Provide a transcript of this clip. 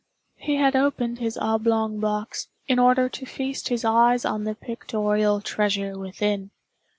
He had opened his oblong box, in order to feast his eyes on the pictorial treasure within.